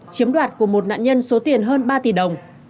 chiếm đoạt của một nạn nhân số tiền hơn ba tỷ đồng